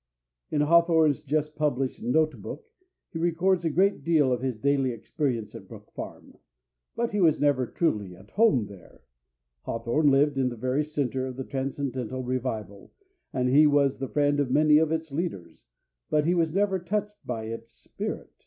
In Hawthorne's just published Note Book he records a great deal of his daily experience at Brook Farm. But he was never truly at home there. Hawthorne lived in the very centre of the Transcendental revival, and he was the friend of many of its leaders, but he was never touched by its spirit.